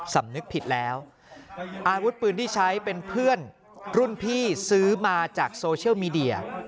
สำนึกผิดแล้วอาวุธปืนที่ใช้เป็นเพื่อนรุ่นพี่ซื้อมาจากโซเชียลมีเดีย